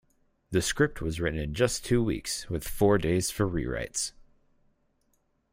The script was written in just two weeks, with four days for rewrites.